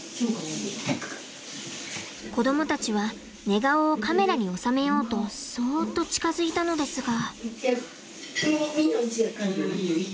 子供たちは寝顔をカメラに収めようとそっと近づいたのですが。